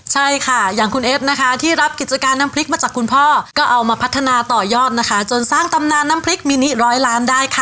ใช่ค่ะอย่างคุณเอฟนะคะที่รับกิจการน้ำพริกมาจากคุณพ่อก็เอามาพัฒนาต่อยอดนะคะจนสร้างตำนานน้ำพริกมินิร้อยล้านได้ค่ะ